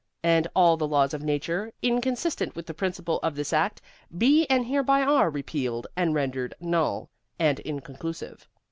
And all the laws of Nature inconsistent with the principle of this Act be and hereby are repealed and rendered null and inconclusive.